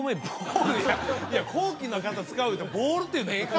いや高貴な方使ういうてボウルっていうのええか？